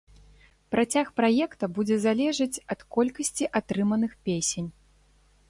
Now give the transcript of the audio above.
Працяг праекта будзе залежаць ад колькасці атрыманых песень.